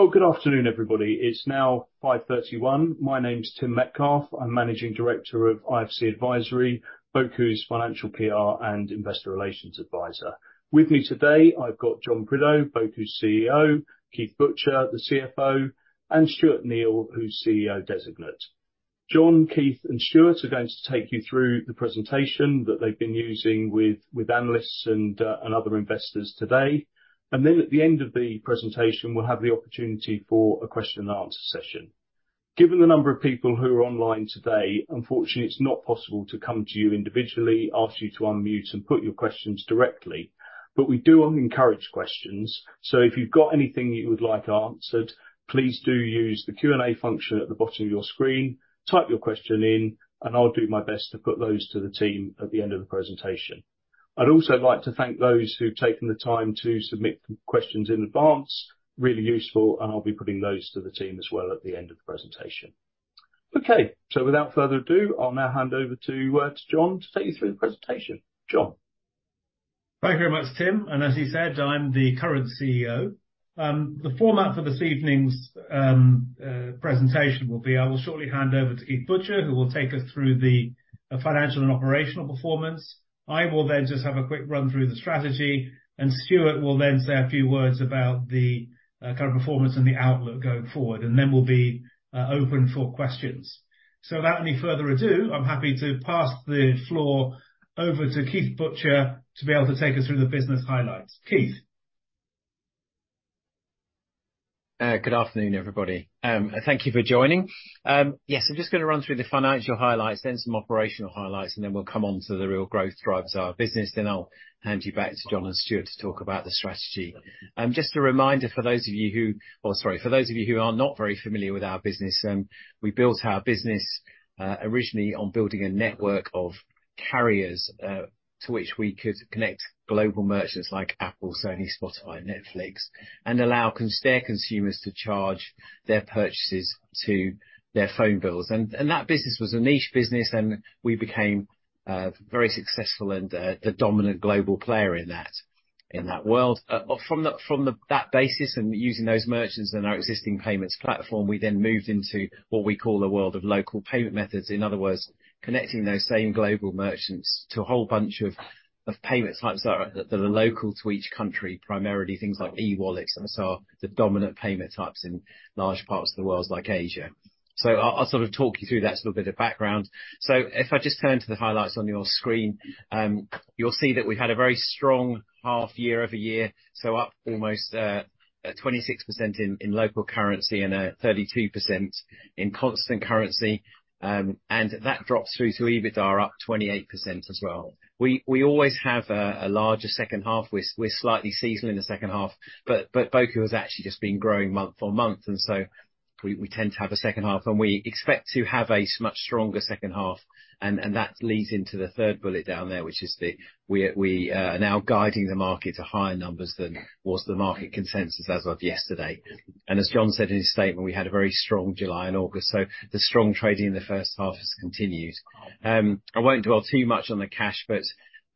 Well, good afternoon, everybody. It's now 5:31 P.M. My name is Tim Metcalfe. I'm Managing Director of IFC Advisory, Boku's Financial PR and Investor Relations advisor. With me today, I've got Jon Prideaux, Boku's CEO, Keith Butcher, the CFO, and Stuart Neal, who's CEO designate. Jon, Keith, and Stuart are going to take you through the presentation that they've been using with analysts and other investors today. And then, at the end of the presentation, we'll have the opportunity for a question and answer session. Given the number of people who are online today, unfortunately, it's not possible to come to you individually, ask you to unmute, and put your questions directly, but we do encourage questions. So if you've got anything you would like answered, please do use the Q&A function at the bottom of your screen. Type your question in, and I'll do my best to put those to the team at the end of the presentation. I'd also like to thank those who've taken the time to submit questions in advance, really useful, and I'll be putting those to the team as well at the end of the presentation. Okay, so without further ado, I'll now hand over to, to Jon to take you through the presentation. Jon? Thank you very much, Tim, and as you said, I'm the current CEO. The format for this evening's presentation will be, I will shortly hand over to Keith Butcher, who will take us through the financial and operational performance. I will then just have a quick run through the strategy, and Stuart will then say a few words about the current performance and the outlook going forward, and then we'll be open for questions. So without any further ado, I'm happy to pass the floor over to Keith Butcher to be able to take us through the business highlights. Keith? Good afternoon, everybody, and thank you for joining. Yes, I'm just gonna run through the financial highlights, then some operational highlights, and then we'll come on to the real growth drivers of our business. Then I'll hand you back to Jon and Stuart to talk about the strategy. Just a reminder, for those of you who—or sorry, for those of you who are not very familiar with our business, we built our business originally on building a network of carriers to which we could connect global merchants, like Apple, Sony, Spotify, Netflix, and allow their consumers to charge their purchases to their phone bills. And that business was a niche business, and we became very successful and the dominant global player in that world. From that basis, and using those merchants and our existing payments platform, we then moved into what we call the world of local payment methods. In other words, connecting those same global merchants to a whole bunch of payment types that are local to each country, primarily things like e-wallets, and so are the dominant payment types in large parts of the world, like Asia. So I'll sort of talk you through that sort of bit of background. So if I just turn to the highlights on your screen, you'll see that we've had a very strong half year over-year, so up almost 26% in local currency and 32% in constant currency. And that drops through to EBITDA, up 28% as well. We always have a larger second half. We're slightly seasonal in the second half, but Boku has actually just been growing month-on-month, and so we tend to have a second half, and we expect to have a much stronger second half. That leads into the third bullet down there, which is we are now guiding the market to higher numbers than was the market consensus as of yesterday. As Jon said in his statement, we had a very strong July and August, so the strong trading in the first half has continued. I won't dwell too much on the cash,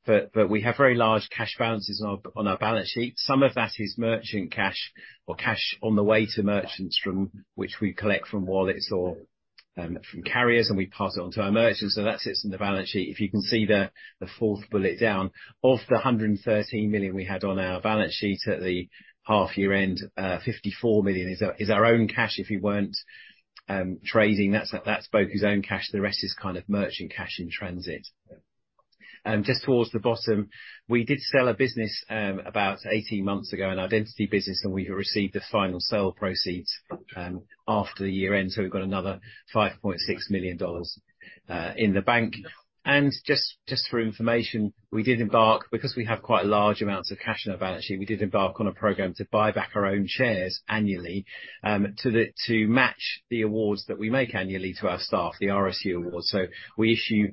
but we have very large cash balances on our balance sheet. Some of that is merchant cash or cash on the way to merchants from which we collect from wallets or from carriers, and we pass it on to our merchants, so that sits in the balance sheet. If you can see the fourth bullet down, of the $113 million we had on our balance sheet at the half year end, $54 million is our own cash if we weren't trading. That's Boku's own cash. The rest is kind of merchant cash in transit. Just towards the bottom, we did sell a business about 18 months ago, an identity business, and we've received the final sale proceeds after the year end, so we've got another $5.6 million in the bank. Just for information, we did embark, because we have quite large amounts of cash on our balance sheet, on a program to buy back our own shares annually, to match the awards that we make annually to our staff, the RSU awards. So we issue,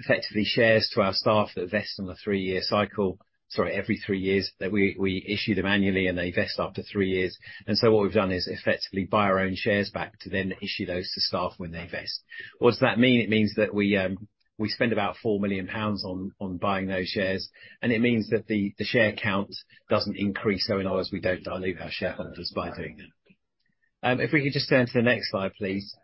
effectively, shares to our staff that vest on a three-year cycle... Sorry, every three years. We issue them annually, and they vest after three years. So what we've done is effectively buy our own shares back to then issue those to staff when they vest. What does that mean? It means that we spend about 4 million pounds on buying those shares, and it means that the share count doesn't increase, so in other words, we don't dilute our shareholders by doing that. If we could just turn to the next slide, please.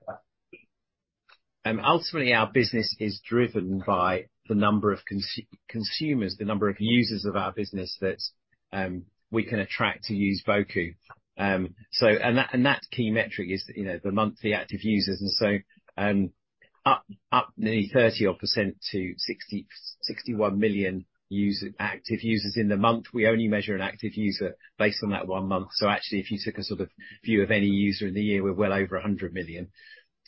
Ultimately, our business is driven by the number of consumers, the number of users of our business that we can attract to use Boku. So, and that, and that key metric is, you know, the monthly active users, and so up nearly 30% to 61 million active users in the month. We only measure an active user based on that one month, so actually, if you took a sort of view of any user in the year, we're well over 100 million.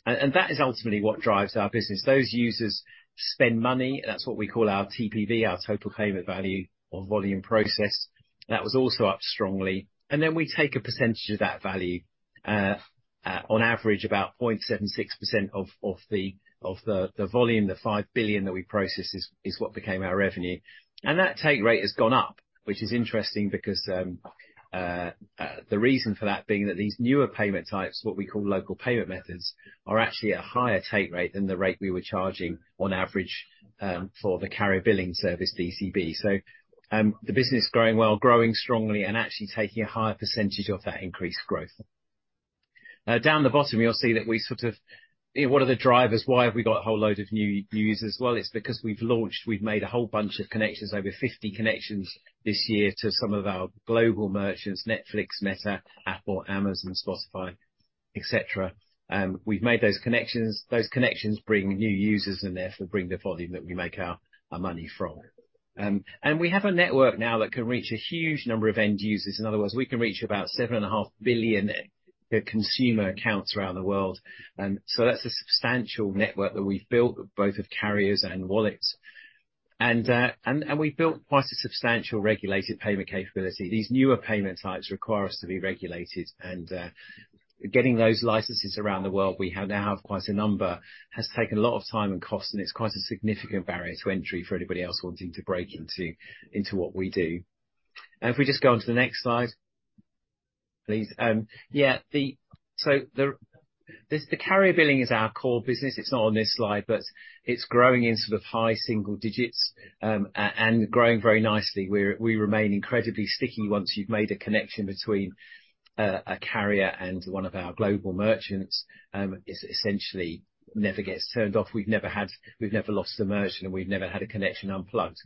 And that is ultimately what drives our business. Those users spend money. That's what we call our TPV, our total payment value or volume processed. That was also up strongly, and then we take a percentage of that value, on average, about 0.76% of the volume, the $5 billion that we processed is what became our revenue. And that take rate has gone up, which is interesting because the reason for that being that these newer payment types, what we call local payment methods, are actually at a higher take rate than the rate we were charging on average, for the carrier billing service, DCB. So, the business is growing well, growing strongly, and actually taking a higher percentage of that increased growth... Down the bottom, you'll see that we sort of. What are the drivers? Why have we got a whole load of new users? Well, it's because we've launched. We've made a whole bunch of connections, over 50 connections this year to some of our global merchants, Netflix, Meta, Apple, Amazon, Spotify, et cetera. We've made those connections. Those connections bring new users, and therefore, bring the volume that we make our money from. And we have a network now that can reach a huge number of end users. In other words, we can reach about 7.5 billion consumer accounts around the world. So that's a substantial network that we've built, both with carriers and wallets. And we've built quite a substantial regulated payment capability. These newer payment types require us to be regulated, and getting those licenses around the world, we now have quite a number, has taken a lot of time and cost, and it's quite a significant barrier to entry for anybody else wanting to break into what we do. If we just go on to the next slide, please. The carrier billing is our core business. It's not on this slide, but it's growing in sort of high single digits, and growing very nicely. We remain incredibly sticky once you've made a connection between a carrier and one of our global merchants, it essentially never gets turned off. We've never lost a merchant, and we've never had a connection unplugged.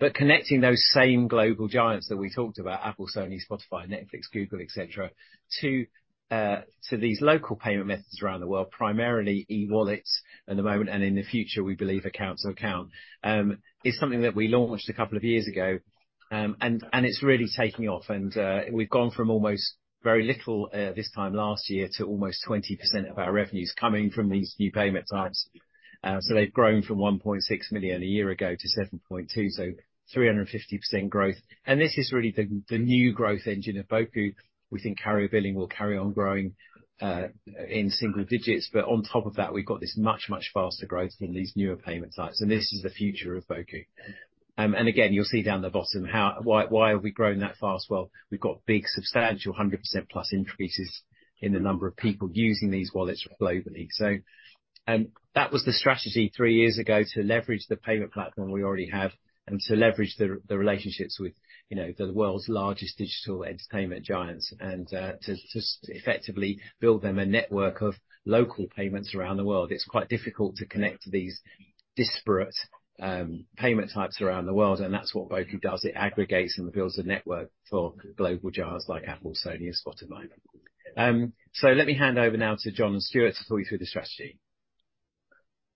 But connecting those same global giants that we talked about, Apple, Sony, Spotify, Netflix, Google, et cetera, to these local payment methods around the world, primarily e-wallets at the moment, and in the future, we believe account to account is something that we launched a couple of years ago. And it's really taking off, and we've gone from almost very little this time last year to almost 20% of our revenues coming from these new payment types. So they've grown from $1.6 million a year ago to $7.2 million, so 350% growth, and this is really the new growth engine at Boku. We think carrier billing will carry on growing in single digits, but on top of that, we've got this much, much faster growth in these newer payment types, and this is the future of Boku. And again, you'll see down the bottom how. Why, why have we grown that fast? Well, we've got big, substantial 100%+ increases in the number of people using these wallets globally. So, that was the strategy three years ago, to leverage the payment platform we already have and to leverage the relationships with, you know, the world's largest digital entertainment giants and to just effectively build them a network of local payments around the world. It's quite difficult to connect these disparate payment types around the world, and that's what Boku does. It aggregates and builds a network for global giants like Apple, Sony, and Spotify. Let me hand over now to Jon and Stuart to talk you through the strategy.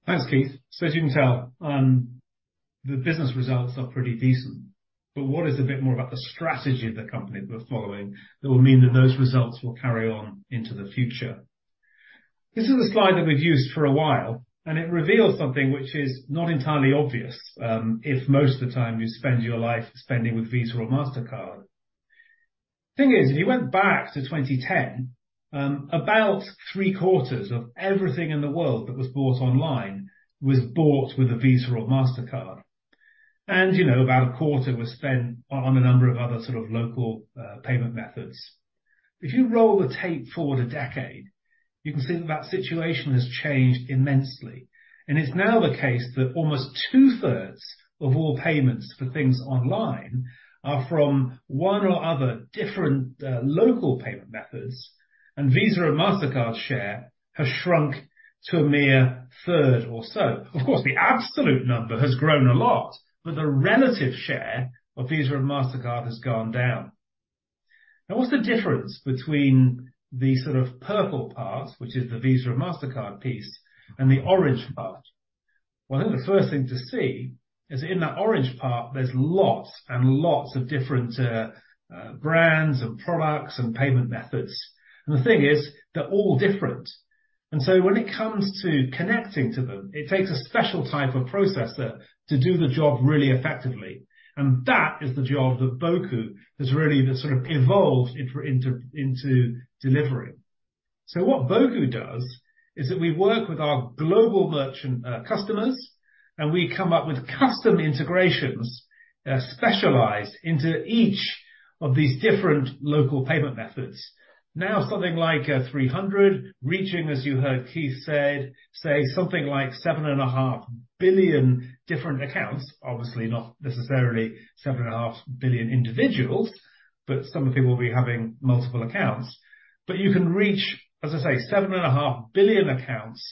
Thanks, Keith. So as you can tell, the business results are pretty decent, but what is a bit more about the strategy of the company that we're following that will mean that those results will carry on into the future? This is a slide that we've used for a while, and it reveals something which is not entirely obvious, if most of the time you spend your life spending with Visa or Mastercard. The thing is, if you went back to 2010, about three-quarters of everything in the world that was bought online was bought with a Visa or Mastercard. And, you know, about a quarter was spent on, on a number of other sort of local payment methods. If you roll the tape forward a decade, you can see that situation has changed immensely, and it's now the case that almost two-thirds of all payments for things online are from one or other different, local payment methods, and Visa and Mastercard's share has shrunk to a mere third or so. Of course, the absolute number has grown a lot, but the relative share of Visa and Mastercard has gone down. Now, what's the difference between the sort of purple part, which is the Visa or Mastercard piece, and the orange part? Well, I think the first thing to see is in that orange part, there's lots and lots of different, brands and products and payment methods, and the thing is, they're all different. When it comes to connecting to them, it takes a special type of processor to do the job really effectively, and that is the job that Boku has really just sort of evolved into delivering. What Boku does is that we work with our global merchant customers, and we come up with custom integrations that are specialized into each of these different local payment methods. Now, something like 300, reaching, as you heard Keith say, something like 7.5 billion different accounts, obviously not necessarily 7.5 billion individuals, but some people will be having multiple accounts. You can reach, as I say, 7.5 billion accounts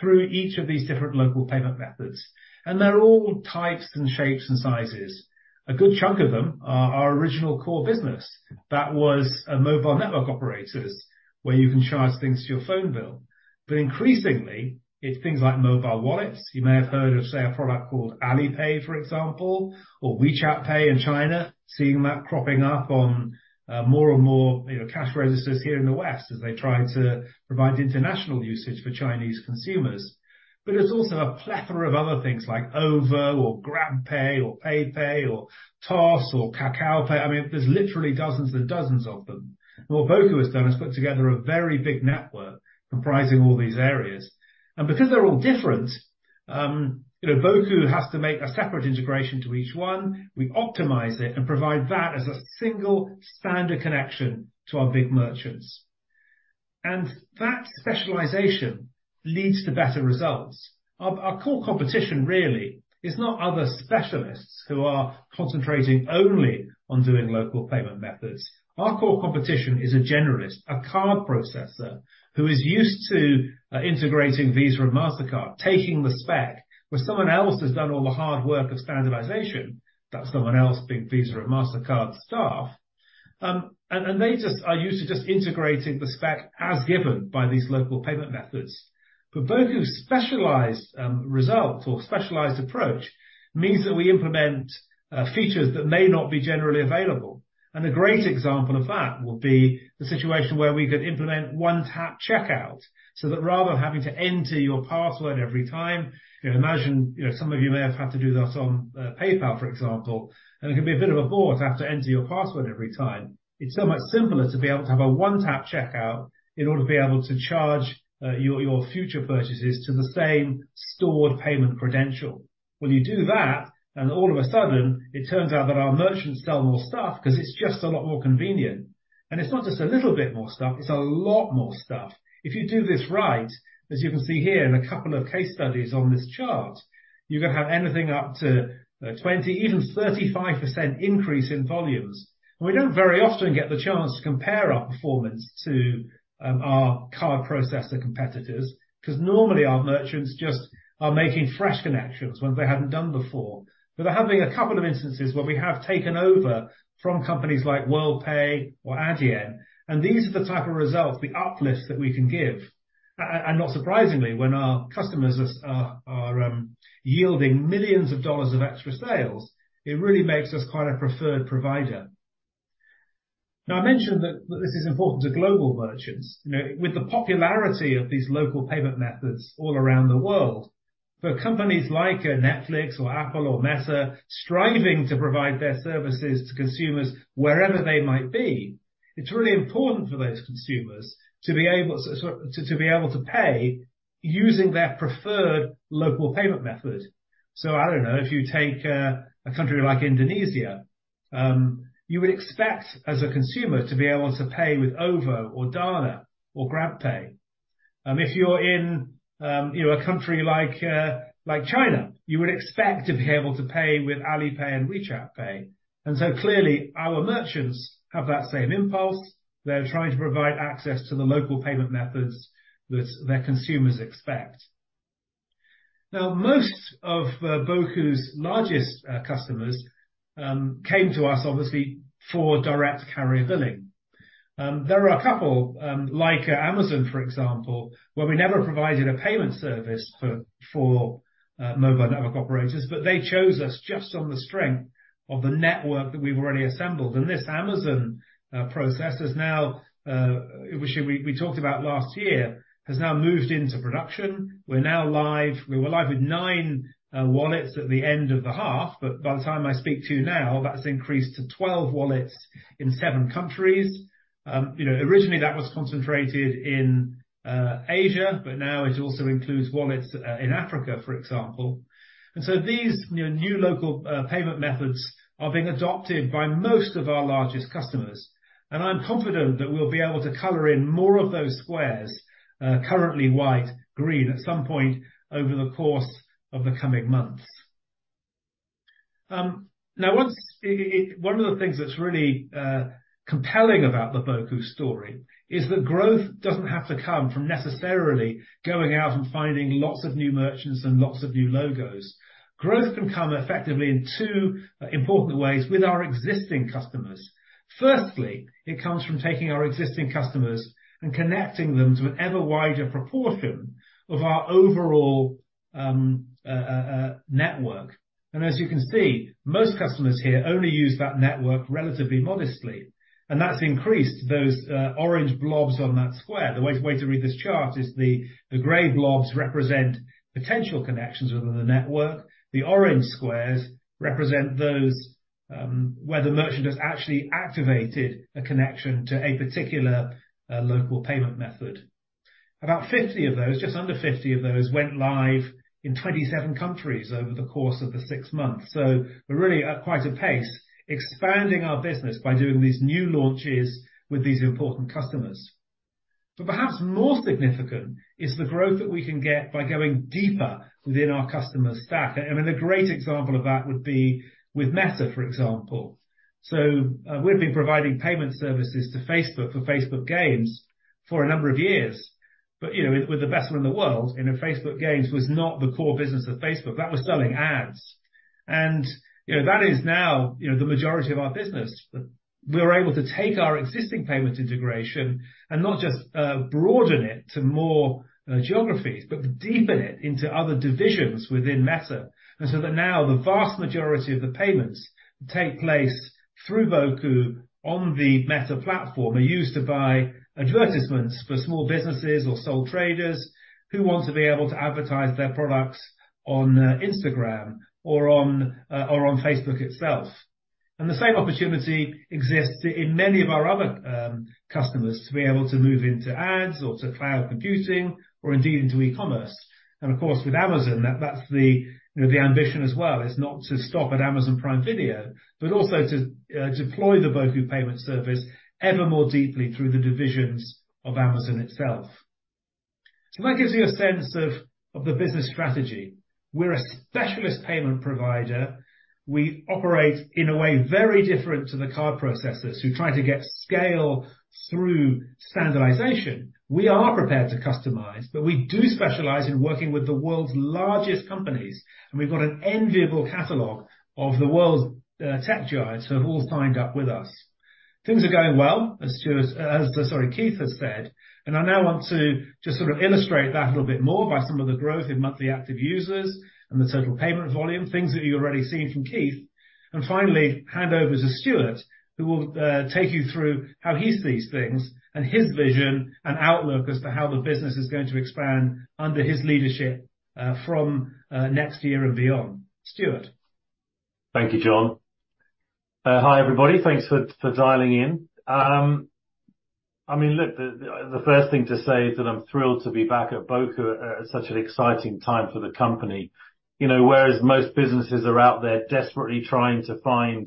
through each of these different local payment methods, and they're all types and shapes and sizes. A good chunk of them are our original core business. That was mobile network operators, where you can charge things to your phone bill. But increasingly, it's things like mobile wallets. You may have heard of, say, a product called Alipay, for example, or WeChat Pay in China, seeing that cropping up on more and more, you know, cash registers here in the West as they try to provide international usage for Chinese consumers. But there's also a plethora of other things like OVO or GrabPay or Alipay or Toss or KakaoPay. I mean, there's literally dozens and dozens of them. And what Boku has done is put together a very big network comprising all these areas. And because they're all different, you know, Boku has to make a separate integration to each one. We optimize it and provide that as a single standard connection to our big merchants. And that specialization leads to better results. Our core competition really is not other specialists who are concentrating only on doing local payment methods. Our core competition is a generalist, a card processor, who is used to integrating Visa and Mastercard, taking the spec, where someone else has done all the hard work of standardization. That someone else being Visa and Mastercard staff. And they just are used to just integrating the spec as given by these local payment methods. But Boku's specialized results or specialized approach means that we implement features that may not be generally available, and a great example of that would be the situation where we could implement one-tap checkout, so that rather than having to enter your password every time... You know, imagine, you know, some of you may have had to do this on PayPal, for example, and it can be a bit of a bore to have to enter your password every time. It's so much simpler to be able to have a one-tap checkout in order to be able to charge your future purchases to the same stored payment credential. When you do that, then all of a sudden, it turns out that our merchants sell more stuff because it's just a lot more convenient, and it's not just a little bit more stuff, it's a lot more stuff. If you do this right, as you can see here in a couple of case studies on this chart, you can have anything up to 20, even 35% increase in volumes. We don't very often get the chance to compare our performance to our card processor competitors, because normally our merchants just are making fresh connections, ones they haven't done before. But there have been a couple of instances where we have taken over from companies like Worldpay or Adyen, and these are the type of results, the uplifts that we can give. And not surprisingly, when our customers are yielding $ millions of extra sales, it really makes us quite a preferred provider. Now, I mentioned that this is important to global merchants. You know, with the popularity of these local payment methods all around the world, for companies like a Netflix or Apple or Meta, striving to provide their services to consumers wherever they might be, it's really important for those consumers to be able to pay using their preferred local payment method. So I don't know, if you take, a country like Indonesia, you would expect, as a consumer, to be able to pay with OVO or DANA or GrabPay. If you're in, you know, a country like, like China, you would expect to be able to pay with Alipay and WeChat Pay. And so clearly, our merchants have that same impulse. They're trying to provide access to the local payment methods that their consumers expect. Now, most of Boku's largest customers came to us, obviously, for direct carrier billing. There are a couple, like Amazon, for example, where we never provided a payment service for mobile network operators, but they chose us just on the strength of the network that we've already assembled. And this Amazon process has now, which we talked about last year, has now moved into production. We're now live. We were live with 9 wallets at the end of the half, but by the time I speak to you now, that's increased to 12 wallets in 7 countries. You know, originally, that was concentrated in Asia, but now it also includes wallets in Africa, for example. And so these, you know, new local payment methods are being adopted by most of our largest customers, and I'm confident that we'll be able to color in more of those squares, currently white, green, at some point over the course of the coming months. Now, one of the things that's really compelling about the Boku story is that growth doesn't have to come from necessarily going out and finding lots of new merchants and lots of new logos. Growth can come effectively in two important ways with our existing customers. Firstly, it comes from taking our existing customers and connecting them to an ever wider proportion of our overall network. And as you can see, most customers here only use that network relatively modestly, and that's increased those orange blobs on that square. The way to read this chart is the gray blobs represent potential connections within the network. The orange squares represent those where the merchant has actually activated a connection to a particular local payment method. About 50 of those, just under 50 of those, went live in 27 countries over the course of the six months, so we're really at quite a pace, expanding our business by doing these new launches with these important customers. But perhaps more significant is the growth that we can get by going deeper within our customers' stack. A great example of that would be with Meta, for example. So, we've been providing payment services to Facebook for Facebook Games for a number of years, but, you know, with the best in the world, you know, Facebook Games was not the core business of Facebook. That was selling ads, and, you know, that is now, you know, the majority of our business. But we were able to take our existing payment integration and not just broaden it to more geographies, but deepen it into other divisions within Meta. And so that now, the vast majority of the payments take place through Boku on the Meta platform, are used to buy advertisements for small businesses or sole traders who want to be able to advertise their products on Instagram or on Facebook itself. And the same opportunity exists in many of our other customers, to be able to move into ads or to cloud computing or indeed into e-commerce. And of course, with Amazon, that's the, you know, the ambition as well, is not to stop at Amazon Prime Video, but also to deploy the Boku payment service ever more deeply through the divisions of Amazon itself. So that gives you a sense of the business strategy. We're a specialist payment provider. We operate in a way very different to the card processors, who try to get scale through standardization. We are prepared to customize, but we do specialize in working with the world's largest companies, and we've got an enviable catalog of the world's tech giants, who have all signed up with us. Things are going well, as Stuart—as sorry, Keith has said, and I now want to just sort of illustrate that a little bit more by some of the growth in monthly active users and the total payment volume, things that you've already seen from Keith. And finally, hand over to Stuart, who will take you through how he sees things and his vision and outlook as to how the business is going to expand under his leadership from next year and beyond. Stuart? Thank you, Jon. Hi, everybody. Thanks for dialing in. I mean, look, the first thing to say is that I'm thrilled to be back at Boku at such an exciting time for the company. You know, whereas most businesses are out there desperately trying to find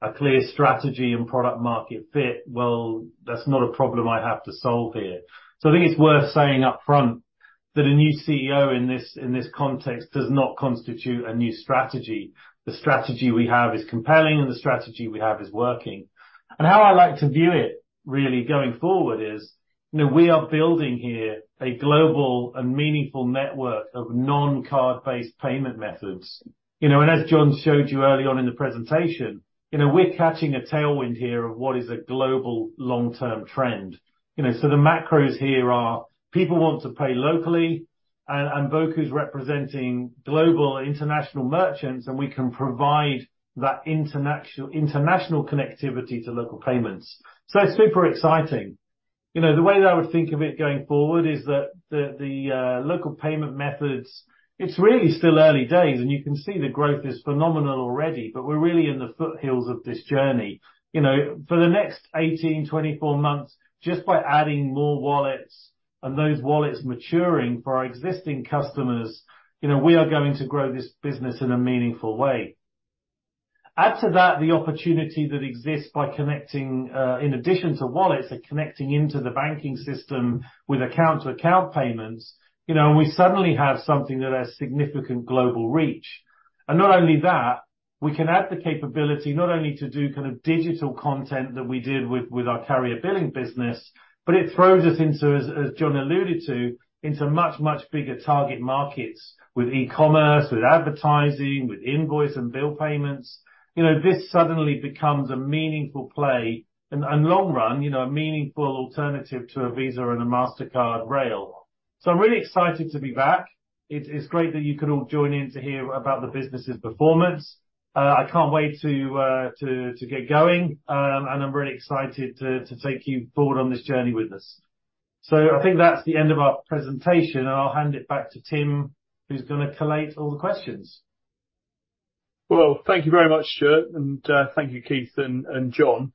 a clear strategy and product market fit, well, that's not a problem I have to solve here. So I think it's worth saying up front, that a new CEO in this context does not constitute a new strategy. The strategy we have is compelling, and the strategy we have is working. And how I like to view it, really, going forward is, you know, we are building here a global and meaningful network of non-card-based payment methods. You know, and as Jon showed you early on in the presentation, you know, we're catching a tailwind here of what is a global long-term trend. You know, so the macros here are, people want to pay locally, and, and Boku's representing global and international merchants, and we can provide that international, international connectivity to local payments. So it's super exciting. You know, the way that I would think of it going forward, is that the local payment methods, it's really still early days, and you can see the growth is phenomenal already, but we're really in the foothills of this journey. You know, for the next 18-24 months, just by adding more wallets and those wallets maturing for our existing customers, you know, we are going to grow this business in a meaningful way. Add to that, the opportunity that exists by connecting, in addition to wallets, and connecting into the banking system with account-to-account payments, you know, and we suddenly have something that has significant global reach. And not only that, we can add the capability not only to do kind of digital content that we did with our carrier billing business, but it throws us into, as Jon alluded to, into much, much bigger target markets with e-commerce, with advertising, with invoice and bill payments. You know, this suddenly becomes a meaningful play, and long run, you know, a meaningful alternative to a Visa and a Mastercard rail. So I'm really excited to be back. It's great that you could all join in to hear about the business's performance. I can't wait to get going, and I'm really excited to take you forward on this journey with us. So I think that's the end of our presentation, and I'll hand it back to Tim, who's gonna collate all the questions. Well, thank you very much, Stuart, and thank you, Keith and Jon.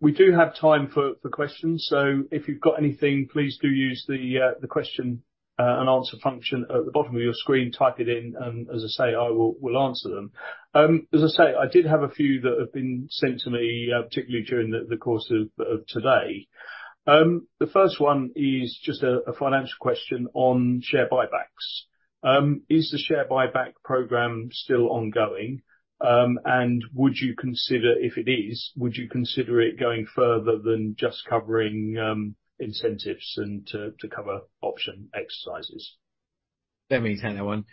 We do have time for questions, so if you've got anything, please do use the question and answer function at the bottom of your screen. Type it in, and as I say, I will answer them. As I say, I did have a few that have been sent to me, particularly during the course of today. The first one is just a financial question on share buybacks. Is the share buyback program still ongoing? And would you consider... if it is, would you consider it going further than just covering incentives and to cover option exercises? Let me take that one.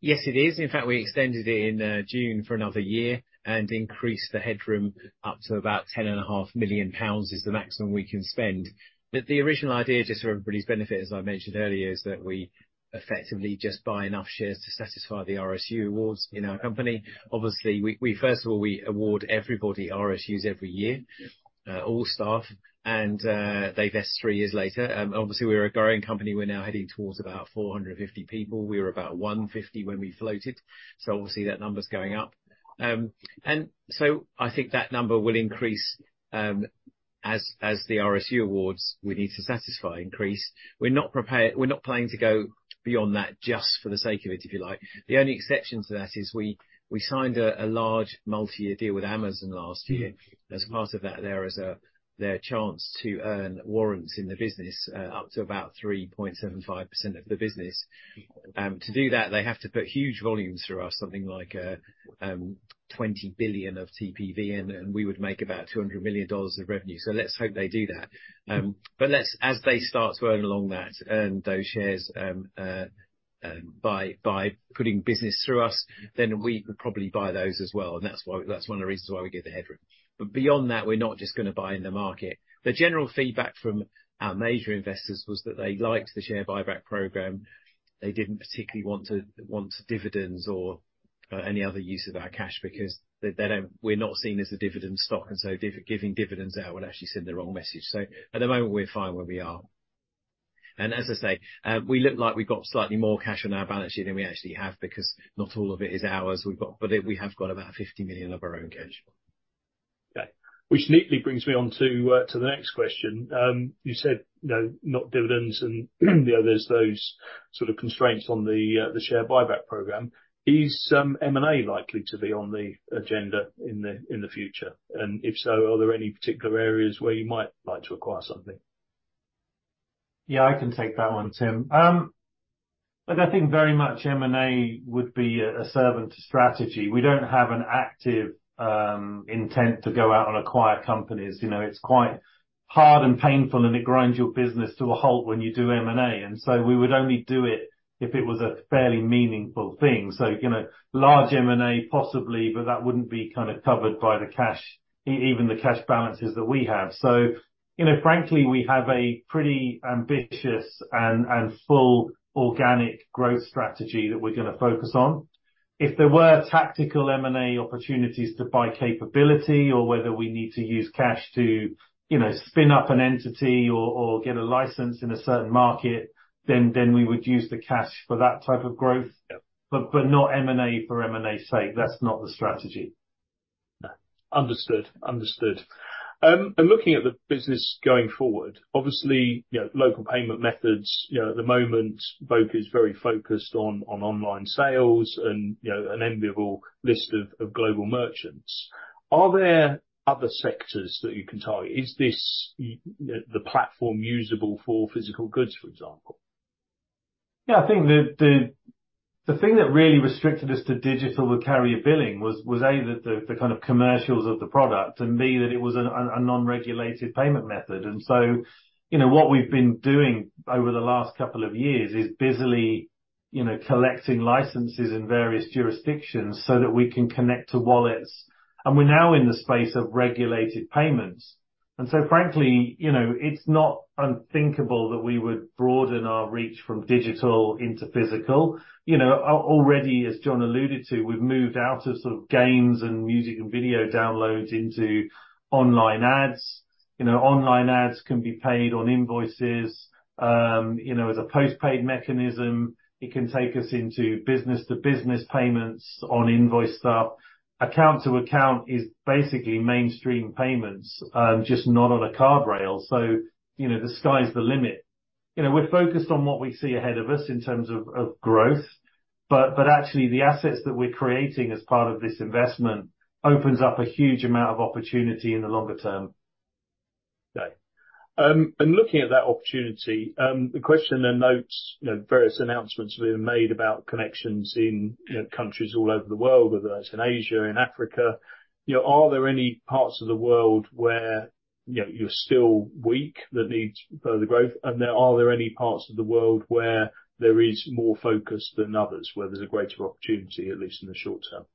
Yes, it is. In fact, we extended it in June for another year and increased the headroom up to about 10.5 million pounds, is the maximum we can spend. But the original idea, just for everybody's benefit, as I mentioned earlier, is that we effectively just buy enough shares to satisfy the RSU awards in our company. Obviously, we first of all award everybody RSUs every year- Yeah. all staff, and they vest three years later. Obviously, we're a growing company. We're now heading towards about 450 people. We were about 150 when we floated, so obviously, that number's going up. And so I think that number will increase, as the RSU awards we need to satisfy increase. We're not planning to go beyond that just for the sake of it, if you like. The only exception to that is we signed a large multi-year deal with Amazon last year. Mm-hmm. As part of that, there is their chance to earn warrants in the business, up to about 3.75% of the business. To do that, they have to put huge volumes through us, something like $20 billion of TPV, and we would make about $200 million of revenue. So let's hope they do that. But let's, as they start to earn along that, earn those shares, by putting business through us, then we would probably buy those as well, and that's why, that's one of the reasons why we give the headroom. But beyond that, we're not just gonna buy in the market. The general feedback from our major investors was that they liked the share buyback program. They didn't particularly want dividends or any other use of our cash, because they don't; we're not seen as a dividend stock, and so giving dividends out would actually send the wrong message. So at the moment, we're fine where we are. And as I say, we look like we've got slightly more cash on our balance sheet than we actually have, because not all of it is ours. We've got but it, we have got about $50 million of our own cash. Okay. Which neatly brings me on to, to the next question. You said, you know, not dividends, and, you know, there's those sort of constraints on the, the share buyback program. Is, M&A likely to be on the agenda in the, in the future? And if so, are there any particular areas where you might like to acquire something?... Yeah, I can take that one, Tim. Look, I think very much M&A would be a servant to strategy. We don't have an active intent to go out and acquire companies. You know, it's quite hard and painful, and it grinds your business to a halt when you do M&A, and so we would only do it if it was a fairly meaningful thing. So, you know, large M&A, possibly, but that wouldn't be kind of covered by the cash, even the cash balances that we have. So, you know, frankly, we have a pretty ambitious and full organic growth strategy that we're gonna focus on. If there were tactical M&A opportunities to buy capability or whether we need to use cash to, you know, spin up an entity or get a license in a certain market, then we would use the cash for that type of growth. But not M&A for M&A's sake, that's not the strategy. No. Understood. Understood. And looking at the business going forward, obviously, you know, local payment methods, you know, at the moment, Boku is very focused on online sales and, you know, an enviable list of global merchants. Are there other sectors that you can target? Is this the platform usable for physical goods, for example? Yeah, I think the thing that really restricted us to digital with carrier billing was A, the kind of commercials of the product, and B, that it was a non-regulated payment method. So, you know, what we've been doing over the last couple of years is busily, you know, collecting licenses in various jurisdictions so that we can connect to wallets, and we're now in the space of regulated payments. So, frankly, you know, it's not unthinkable that we would broaden our reach from digital into physical. You know, already, as Jon alluded to, we've moved out of sort of games and music and video downloads into online ads. You know, online ads can be paid on invoices. You know, as a post-paid mechanism, it can take us into business-to-business payments on invoice stuff. Account to account is basically mainstream payments, just not on a card rail, so, you know, the sky's the limit. You know, we're focused on what we see ahead of us in terms of growth, but actually, the assets that we're creating as part of this investment opens up a huge amount of opportunity in the longer term. Okay. And looking at that opportunity, the question and notes, you know, various announcements we've made about connections in, you know, countries all over the world, whether that's in Asia, in Africa, you know, are there any parts of the world where, you know, you're still weak that needs further growth? And then are there any parts of the world where there is more focus than others, where there's a greater opportunity, at least in the short term?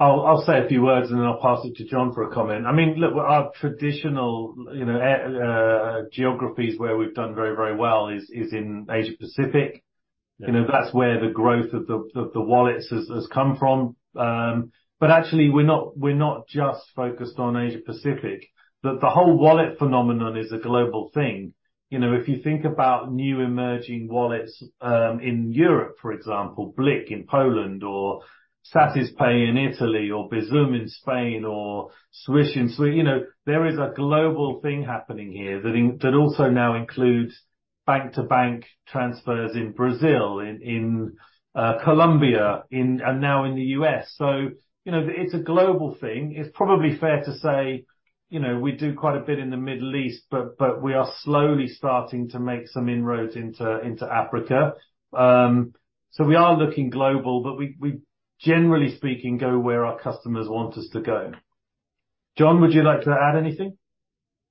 I'll say a few words, and then I'll pass it to Jon for a comment. I mean, look, our traditional, you know, geographies where we've done very, very well is in Asia Pacific. Yeah. You know, that's where the growth of the, of the wallets has, has come from. But actually, we're not, we're not just focused on Asia Pacific, the, the whole wallet phenomenon is a global thing. You know, if you think about new emerging wallets, in Europe, for example, BLIK in Poland, or Satispay in Italy, or Bizum in Spain, or Swish in Sweden. You know, there is a global thing happening here that also now includes bank-to-bank transfers in Brazil, in Colombia, and now in the US. So, you know, it's a global thing. It's probably fair to say, you know, we do quite a bit in the Middle East, but, but we are slowly starting to make some inroads into, into Africa. So we are looking global, but we, we, generally speaking, go where our customers want us to go. Jon, would you like to add anything?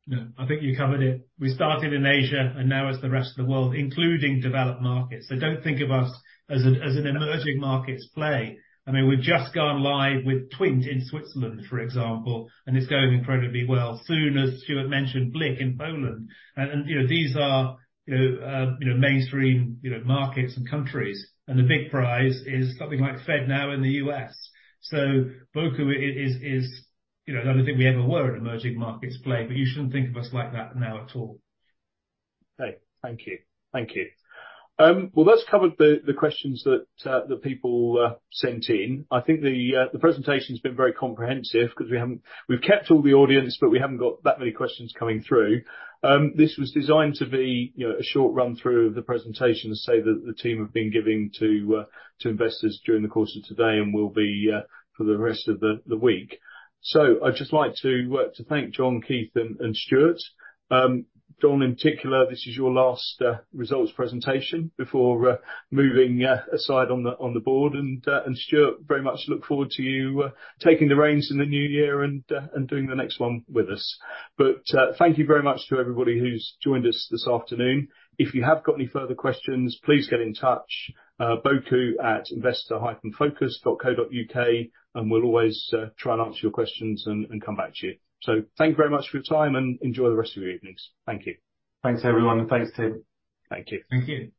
No, I think you covered it. We started in Asia, and now it's the rest of the world, including developed markets, so don't think of us as a, as an emerging markets play. I mean, we've just gone live with TWINT in Switzerland, for example, and it's going incredibly well. Soon, as Stuart mentioned, BLIK in Poland, and, and, you know, these are, you know, mainstream, you know, markets and countries, and the big prize is something like FedNow in the US. So Boku is... You know, I don't think we ever were an emerging markets play, but you shouldn't think of us like that now at all. Okay. Thank you. Thank you. Well, that's covered the questions that people sent in. I think the presentation's been very comprehensive 'cause we haven't... We've kept all the audience, but we haven't got that many questions coming through. This was designed to be, you know, a short run-through of the presentation, to say that the team have been giving to investors during the course of today and will be for the rest of the week. So I'd just like to thank Jon, Keith, and Stuart. Jon, in particular, this is your last results presentation before moving aside on the board. And Stuart, very much look forward to you taking the reins in the new year and doing the next one with us. But, thank you very much to everybody who's joined us this afternoon. If you have got any further questions, please get in touch, boku@investor-focus.co.uk, and we'll always, try and answer your questions and, and come back to you. So thank you very much for your time, and enjoy the rest of your evenings. Thank you. Thanks, everyone, and thanks, Tim. Thank you. Thank you.